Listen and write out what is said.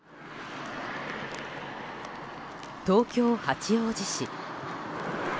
東京・八王子市。